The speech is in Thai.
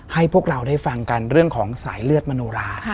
ให้พวกเราได้ฟังกันเรื่องของสายเลือดมโนรา